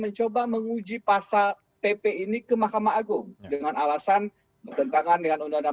mencoba menguji pasal pp ini ke mahkamah agung dengan alasan bertentangan dengan undang undang